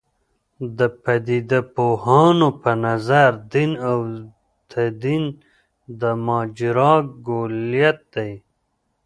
د پدیده پوهانو په نظر دین او تدین د ماجرا کُلیت دی.